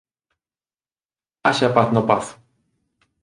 Haxa paz no pazo!